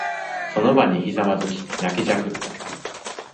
その場にひざまずき、泣きじゃくった。